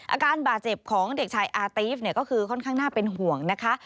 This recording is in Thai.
อาการบาดเจ็บของเด็กชายอาตีฟเนี่ยก็คือค่อนข้างน่าเป็นห่วงนะคะ